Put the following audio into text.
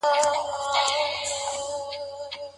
که يو څوک پردۍ ښځي ته ووايي.